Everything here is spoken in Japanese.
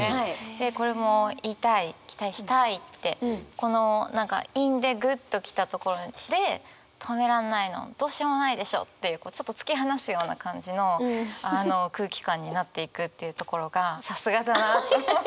でこれも「いたい」「期待したい」ってこの何か韻でグッと来たところで「止めらんないのどうしようもないでしょ」っていうちょっと突き放すような感じの空気感になっていくっていうところがさすがだなと思って。